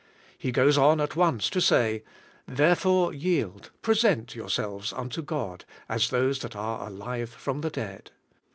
He goes on at once to say: "Therefore yield, present yourselves unto God, as those that are alive from the dead."